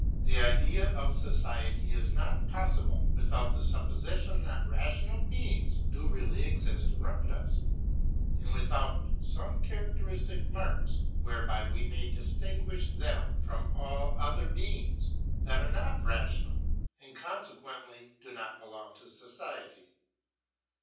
The idea of Society is not possible without the supposition that rational beings do really exist around us, and without some charac teristic marks whereby we may distinguish them from all other beings that are not rational, and consequently do not belong to society.